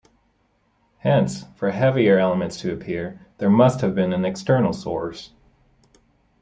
Hence, for heavier elements to appear, there must have been an external source.